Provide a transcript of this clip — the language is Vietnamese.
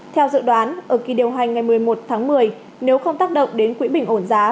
theo dự đoán ở kỳ điều hành ngày một mươi một tháng một mươi nếu không tác động đến quỹ bình ổn giá